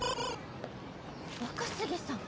若杉さん！